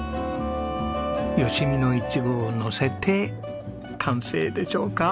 吉見のイチゴをのせて完成でしょうか？